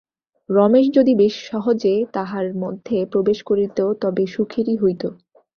রমেশ যদি বেশ সহজে তাহার মধ্যে প্রবেশ করিত তবে সুখেরই হইত।